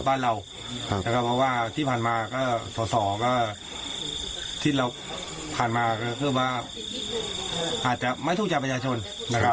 เพราะว่าที่ผ่านมาก็ส่อที่เราผ่านมาก็เพิ่มว่าอาจจะไม่ทุกข์จากประชาชนนะครับ